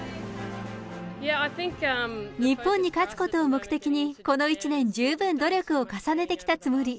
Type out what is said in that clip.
日本に勝つことを目的に、この１年、十分努力を重ねてきたつもり。